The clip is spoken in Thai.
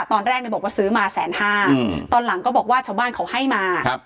ตอนแรกเนี่ยบอกว่าซื้อมาแสนห้าตอนหลังก็บอกว่าชาวบ้านเขาให้มาครับ